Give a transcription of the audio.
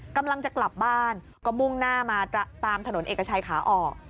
กำลังจะกลับบ้านก็มุ่งหน้ามาตามถนนเอกชัยขาออก